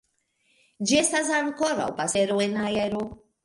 Ĝi estas ankoraŭ pasero en aero.